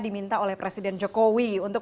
diminta oleh presiden jokowi untuk